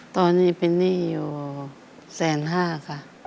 ตอนนี้เป็นหนี้อยู่แสนห้าค่ะ